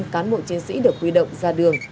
một trăm linh cán bộ chiến sĩ được quy động ra đường